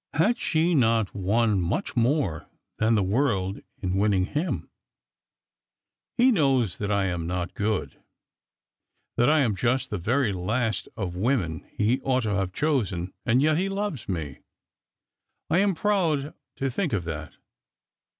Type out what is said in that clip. Had she not won much more than the world in win ning him ?*' He knows that I am not good, that I am just the very last of women he ought to have chosen, and yet he loves me. I am proud to think of that.